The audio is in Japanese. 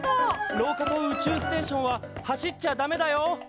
廊下と宇宙ステーションは走っちゃダメだよ！